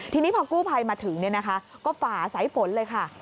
ทีนี้พอกู้ภัยมาถึงก็ฝ่าสายฝนเลยค่ะ